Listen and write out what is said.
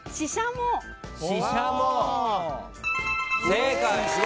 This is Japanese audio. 正解。